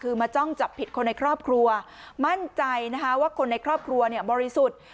คือมาจ้องจับผิดคนในครอบครัวมั่นใจนะคะว่าคนในครอบครัวเนี่ยบริสุทธิ์